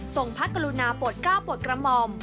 ทรงพระกรุณาปวดกล้าวปวดกระหม่อม